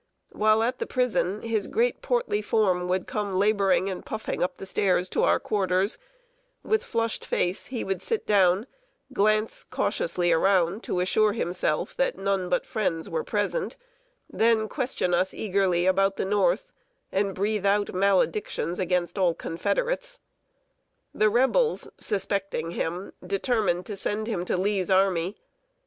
While at the prison, his great portly form would come laboring and puffing up the stairs to our quarters; with flushed face, he would sit down, glance cautiously around to assure himself that none but friends were present, then question us eagerly about the North, and breathe out maledictions against all Confederates. The Rebels, suspecting him, determined to send him to Lee's army.